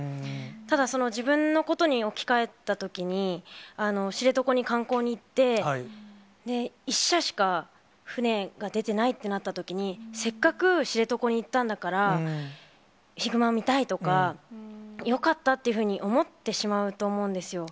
ただ、自分のことに置き換えたときに、知床に観光に行って、１社しか船が出ていないとなったときに、せっかく知床に行ったんだから、ヒグマ見たいとか、よかったというふうに思ってしまうと思うんですよ。